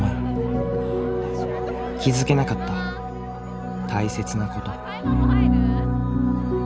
気付けなかった大切なこと。